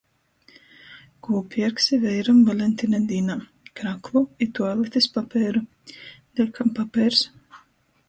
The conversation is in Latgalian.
Kū pierksi veiram Valentina dīnā? Kraklu i tualetis papeiru... Deļkam papeirs?!